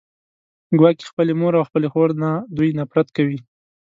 ګواکې خپلې مور او خپلې خور نه دوی نفرت کوي